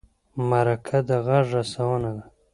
مرکه د غږ رسونه ده.